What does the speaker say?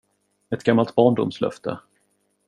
Ett gammalt barndomslöfte.